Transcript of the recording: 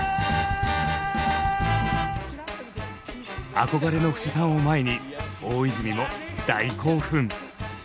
憧れの布施さんを前に大泉も大興奮！